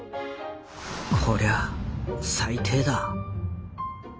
「こりゃ最低だ」。